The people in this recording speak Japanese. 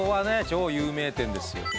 超有名店ですよ」